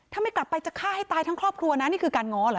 ถ้าไม่กลับไปจะฆ่าให้ตายทั้งครอบครัวนะนี่คือการง้อเหรอ